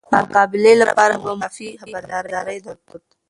د مقابله لپاره به مو کافي خبرداری درلود.